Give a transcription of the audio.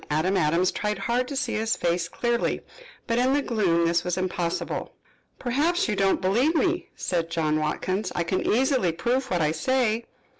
Adam Adams tried hard to see his face clearly, but in the gloom this was impossible. "Perhaps you do not believe me," said John Watkins. "I can easily prove what I say."